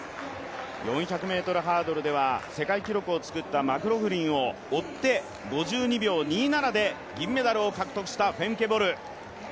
４００ｍハードルでは世界記録を作ったマクローフリンを追って５２秒２７で銀メダルを獲得したボル。